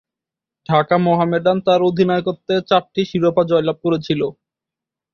ঢাকা মোহামেডান তার অধিনায়কত্বে চারটি শিরোপা জয়লাভ করেছিল।